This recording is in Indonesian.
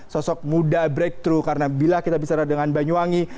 sosok muda breakthrough karena bila kita bicara dengan banyuwangi